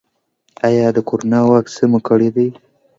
ایا د کرونا واکسین مو کړی دی؟